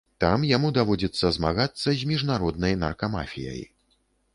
Там яму даводзіцца змагацца з міжнароднай наркамафіяй.